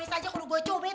nangis aja kalau gua coba